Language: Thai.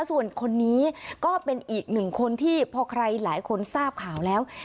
ส่วนคนนี้ก็เป็นอีกหนึ่งคนที่พอใครหลายคนทราบข่าวแล้ว